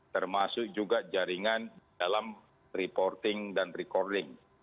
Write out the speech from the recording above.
termasuk juga jaringan dalam reporting dan recording